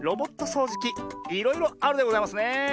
そうじきいろいろあるでございますねえ。